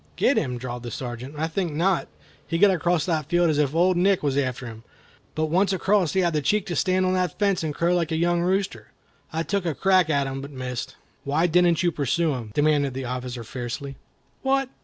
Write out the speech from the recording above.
"Get him!" drawled the Sergeant, "I think not. He got across that field as if Old Nick was after him. But once across he had the cheek to stand on the fence and crow like a young rooster. I took a crack at him, but missed." "Why didn't you pursue him?" demanded the officer, fiercely. "What!